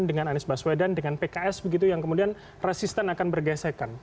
dengan anies baswedan dengan pks begitu yang kemudian resisten akan bergesekan